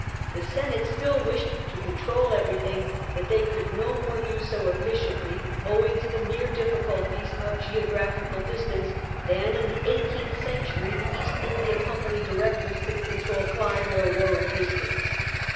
The Senate still wished to control everything, but they could no more do so efEciently, owing to the mere difficulties of geographical distance, than in the eighteenth century the East India Company's directors could control Clive or Warren Hastings.